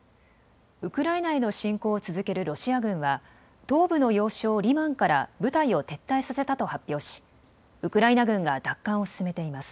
ウクライナへの侵攻を続けるロシア軍は東部の要衝リマンから部隊を撤退させたと発表し、ウクライナ軍が奪還を進めています。